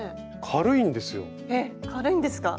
軽いんですか？